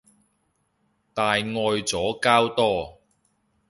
大愛左膠多